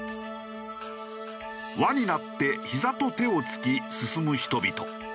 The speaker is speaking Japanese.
輪になってひざと手をつき進む人々。